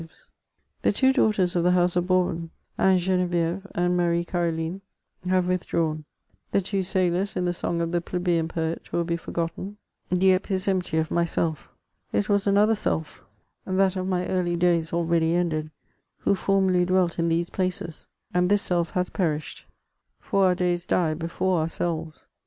448 MEMOIRS OF The two daughters of the house of Bourbon, Anne Gene vieve and Marie Caroline, have withdrawn ; the two sailors in the song of the plebeian poet will be forgotten ; Dieppe is empty of myself; it was another self^ that of my early days already ended, who formerly dwelt in these places, and this self has perished, for our days die before ourselves.